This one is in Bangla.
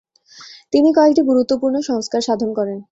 তিনি কয়েকটি গুরুত্বপূর্ণ সংস্কার সাধন করেন।